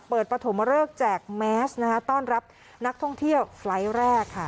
เปิดประถมฤกษ์แจกแมสต์ต้อนรับนักท่องเที่ยวไฟล์ต์แรกค่ะ